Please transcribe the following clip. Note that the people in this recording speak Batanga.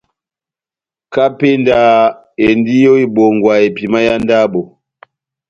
Kapenda endi ó ibongwa epima yá ndabo.